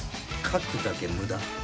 書くだけ無駄。